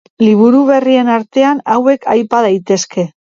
Liburu berrien artean hauek aipa daitezke.